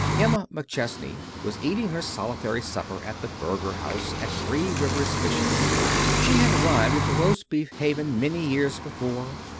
Emma McChesney was eating her solitary supper at the Berger house at Three Rivers, Michigan. She had arrived at the Roast Beef haven many years before.